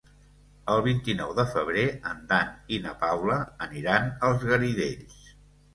El vint-i-nou de febrer en Dan i na Paula aniran als Garidells.